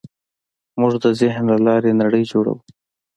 موږ د ذهن له لارې نړۍ جوړوو.